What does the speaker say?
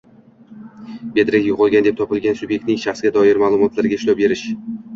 bedarak yo‘qolgan deb topilgan subyektning shaxsga doir ma’lumotlariga ishlov berish